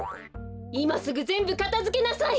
いますぐぜんぶかたづけなさい！